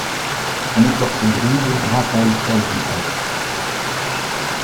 Son écorce grise rappelle celle du hêtre.